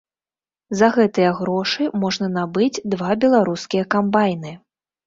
За гэтыя грошы можна набыць два беларускія камбайны!